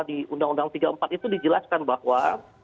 di undang undang tiga puluh empat itu dijelaskan bahwa